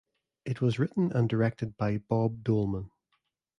It was written and directed by Bob Dolman.